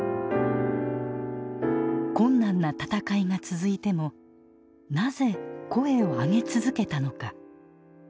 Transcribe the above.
困難な闘いが続いてもなぜ声をあげ続けたのか。